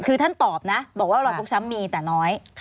คือท่านตอบนะบอกว่ารอยฟกช้ำมีแต่น้อย